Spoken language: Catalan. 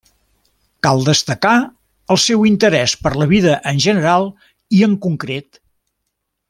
Cal destacar, el seu interès per la vida en general i en concret.